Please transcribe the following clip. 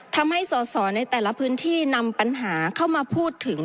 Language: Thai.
ทำให้สอสอในแต่ละพื้นที่นำปัญหาเข้ามาพูดถึง